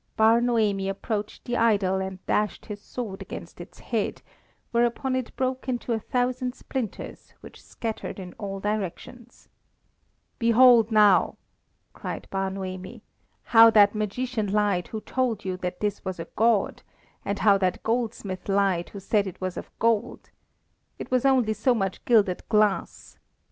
Bar Noemi approached the idol and dashed his sword against its head, whereupon it broke into a thousand splinters which scattered in all directions. "Behold now!" cried Bar Noemi, "how that magian lied who told you that this was a god, and how that goldsmith lied who said it was of gold! It was only so much gilded glass.